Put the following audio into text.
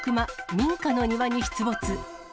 民家の庭に出没。